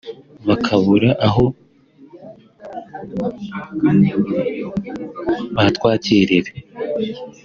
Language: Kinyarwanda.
bakabura aho batwakirira